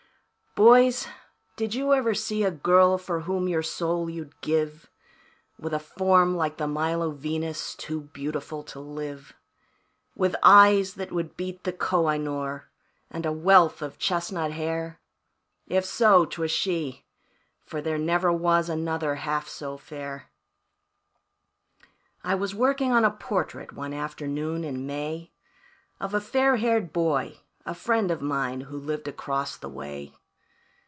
"Boys, did you ever see a girl for whom your soul you'd give, With a form like the Milo Venus, too beautiful to live; With eyes that would beat the Koh i noor, and a wealth of chestnut hair? If so, 'twas she, for there never was another half so fair. "I was working on a portrait, one afternoon in May, Of a fair haired boy, a friend of mine, who lived across the way.